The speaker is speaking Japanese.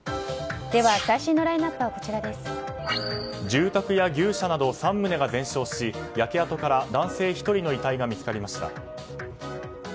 住宅や牛舎など３棟が全焼し焼け跡から男性１人の遺体が見つかりました。